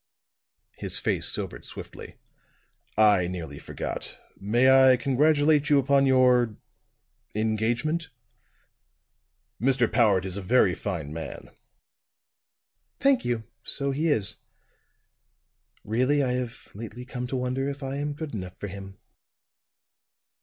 His face sobered swiftly. "I nearly forgot. May I congratulate you upon your engagement? Mr. Powart is a very fine man." "Thank you; so he is. Really, I have lately come to wonder if I am good enough for him."